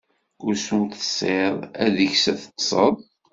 Usu tessiḍ, ad deg-s teṭṭseḍ.